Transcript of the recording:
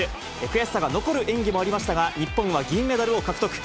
悔しさが残る演技もありましたが、日本は銀メダルを獲得。